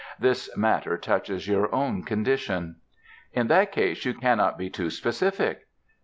This matter touches your own condition." "In that case you cannot be too specific."